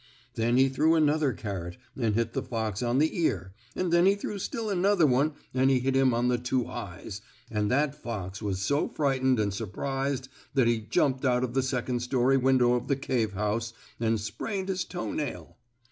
Then he threw another carrot and hit the fox on the ear, and then he threw still another one and he hit him on the two eyes, and that fox was so frightened and surprised that he jumped out of the second story window of the cave house and sprained his toenail.